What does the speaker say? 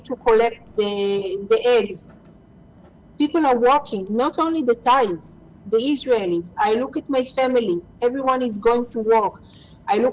ถ้าคนมีแขวนมันต้องมาก่อน